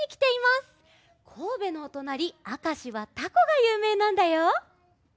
こうべのおとなりあかしはタコがゆうめいなんだよ。